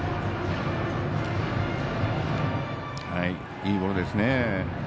いいボールですね。